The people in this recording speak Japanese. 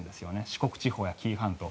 四国地方や紀伊半島。